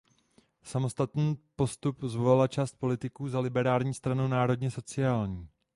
Samostatný postup zvolila část politiků za Liberální stranu národně sociální.